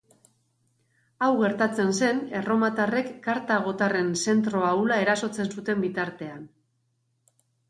Hau gertatzen zen erromatarrek kartagotarren zentro ahula erasotzen zuten bitartean.